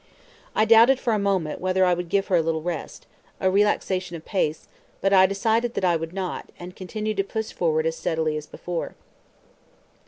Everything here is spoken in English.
I doubted for a moment whether I would give her a little rest, a relaxation of pace, but I decided that I would not, and continued to push forward as steadily as before.